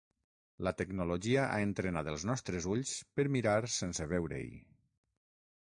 La tecnologia ha entrenat els nostres ulls per mirar sense veure-hi.